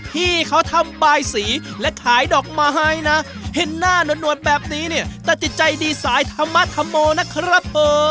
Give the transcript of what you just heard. ที่เขาทำบายสีและขายดอกไม้นะเห็นหน้าหนวดแบบนี้เนี่ยตัดสินใจดีสายธรรมธรรโมนะครับผม